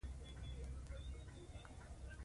ورانګل ماموتان څو زره کاله نورو ته پاتې وو.